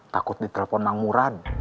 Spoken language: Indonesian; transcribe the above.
takut ditelepon mang mura